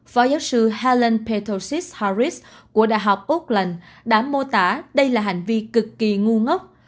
phó giáo sư helen petrosis harris của đại học auckland đã mô tả đây là hành vi cực kỳ ngu ngốc